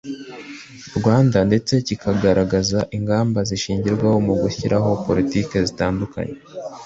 Rwanda ndetse kikagaragaza ingamba zishingirwaho mu gushyiraho politiki zitandukanye